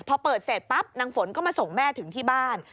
พอเปิดเสร็จปั๊บนางฝนก็มาส่งแม่ถึงที่บ้าน